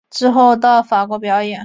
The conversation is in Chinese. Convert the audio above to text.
之后到法国表演。